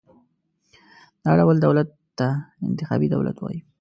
دا ډول دولت ته انتخابي دولت وایو.